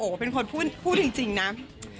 จริงอ๋อเป็นคนพูดจริงนะ